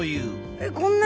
えっこんなに？